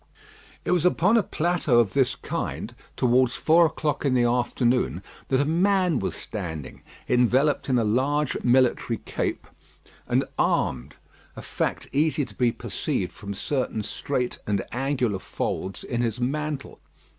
It was upon a plateau of this kind, towards four o'clock in the afternoon, that a man was standing, enveloped in a large military cape, and armed; a fact easy to be perceived from certain straight and angular folds in his mantle.